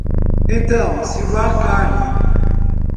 Então sirva a carne.